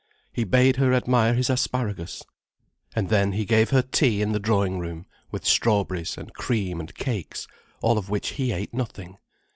He bade her admire his asparagus. And then he gave her tea in the drawing room, with strawberries and cream and cakes, of all of which he ate nothing.